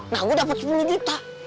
nah gue dapat sepuluh juta